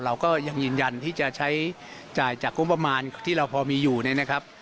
เราก็ยังยืนยันที่จะใช้จ่ายจากงบประมาณที่เราพอมีอยู่เนี่ยนะครับ